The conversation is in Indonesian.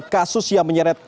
kasus yang menyeret